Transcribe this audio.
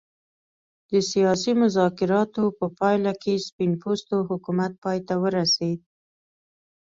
د سیاسي مذاکراتو په پایله کې سپین پوستو حکومت پای ته ورسېد.